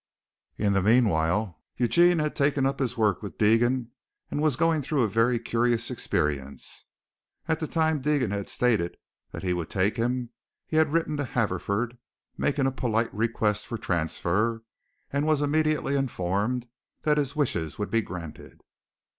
In the meanwhile Eugene had taken up his work with Deegan and was going through a very curious experience. At the time Deegan had stated that he would take him he had written to Haverford, making a polite request for transfer, and was immediately informed that his wishes would be granted.